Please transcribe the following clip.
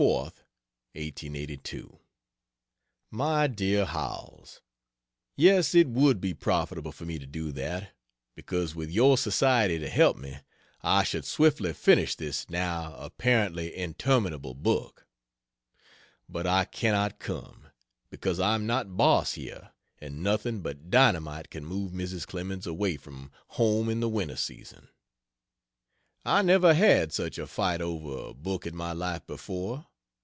4th, 1882. MY DEAR HOWELLS, Yes, it would be profitable for me to do that, because with your society to help me, I should swiftly finish this now apparently interminable book. But I cannot come, because I am not Boss here, and nothing but dynamite can move Mrs. Clemens away from home in the winter season. I never had such a fight over a book in my life before.